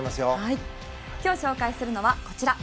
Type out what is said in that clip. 今日紹介するのはこちら。